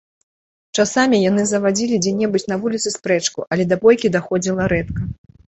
Часамі яны завадзілі дзе-небудзь на вуліцы спрэчку, але да бойкі даходзіла рэдка.